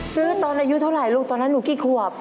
ตอนอายุเท่าไหร่ลูกตอนนั้นหนูกี่ขวบ